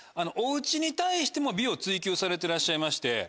おうちに対しても美を追求されてらっしゃいまして。